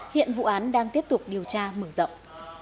hiện vụ án đang tiếp tục điều tra mở rộng